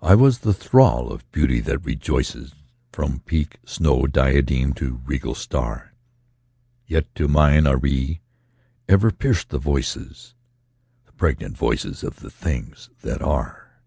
I was the thrall of Beauty that rejoices From peak snow diademed to regal star; Yet to mine aerie ever pierced the voices, The pregnant voices of the Things That Are.